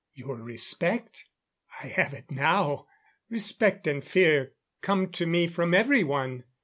Your respect? I have it now. Respect and fear come to me from everyone.